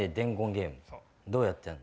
どうやってやんの？